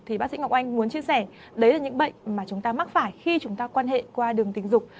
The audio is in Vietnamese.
thì bác sĩ ngọc oanh muốn chia sẻ đấy là những bệnh mà chúng ta mắc phải khi chúng ta quan hệ qua đường tình dục